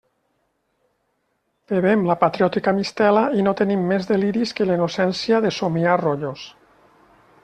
Bevem la patriòtica mistela i no tenim més deliris que la innocència de somiar rotllos.